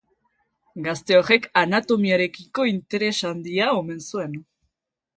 Gazte horrek anatomiarekiko interes handia omen zuen.